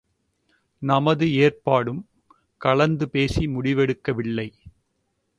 நமது ஏற்பாடும் கலந்து பேசி முடிவெடுக்கவில்லை.